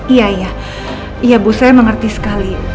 iya iya bu saya mengerti sekali